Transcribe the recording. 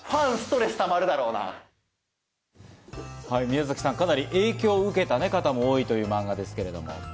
宮崎さん、かなり影響を受けた方も多いというマンガですけれども。